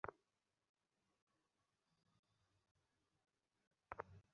আপনাদের ভৃত্য লুইস বোজেটকে নিয়ে কিছু বলবেন?